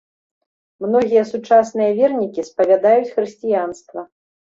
Многія сучасныя вернікі спавядаюць хрысціянства.